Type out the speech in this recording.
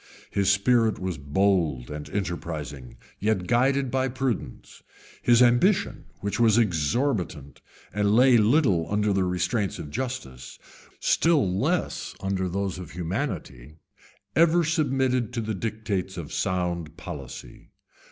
His spirit was bold and enterprising, yet guided by prudence; his ambition, which was exorbitant, and lay little under the restraints of justice, still less under those of humanity, ever submitted to the dictates of sound policy.